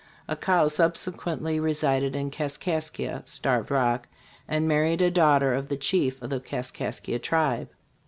Accau subsequently resided in Kaskaskia [Starved Rock] and married a daughter of the chief of the Kaskaskia tribe.